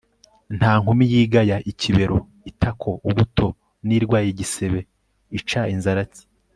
nta nkumi yigaya ikibero (itako, ubuto), n'irwaye igisebe ica inzaratsi